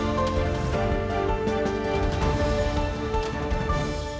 siapa yang bisa mendampingi